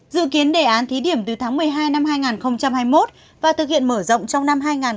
dự kiến đề án thí điểm từ tháng một mươi hai năm hai nghìn hai mươi một và thực hiện mở rộng trong năm hai nghìn hai mươi